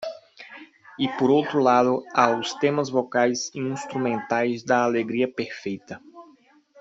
E por outro lado, há os temas vocais e instrumentais da alegria perfeita.